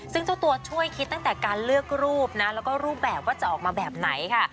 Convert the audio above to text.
ซึ่งเจ้าตัวช่วยคิดตั้งแต่การเลือกรูปนะแล้วก็รูปแบบว่าจะออกมาแบบไหนค่ะ